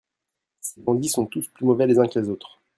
Ces bandits sont tous plus mauvais les uns que les autres.